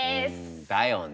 だよね。